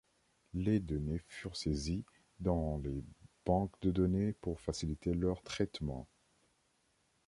Les données furent saisies dans des banques de données pour faciliter leur traitement.